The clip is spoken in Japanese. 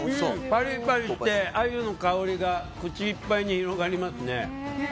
パリパリして、鮎の香りが口いっぱいに広がりますね。